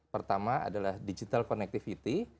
pertama adalah digital connectivity